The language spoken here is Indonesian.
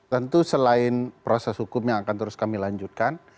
tentu selain proses hukum yang akan terus kami lanjutkan